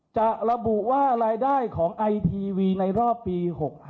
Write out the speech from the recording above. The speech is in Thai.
จะระบุว่ารายได้ของไอทีวีในรอบปี๖๕